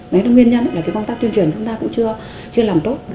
nói đến nguyên nhân là cái công tác tuyên truyền chúng ta cũng chưa làm tốt